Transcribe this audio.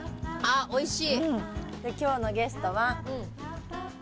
おいしい。